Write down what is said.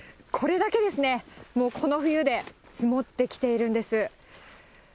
これだけですね、もうこの冬で積もってきているんです。